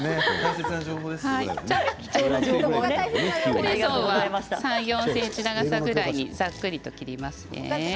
クレソンは３、４ｃｍの長さくらいにざっくりと切りますね。